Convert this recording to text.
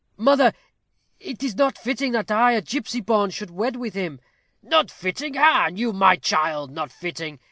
"Mother, it is not fitting that I, a gipsy born, should wed with him." "Not fitting! Ha! and you my child! Not fitting!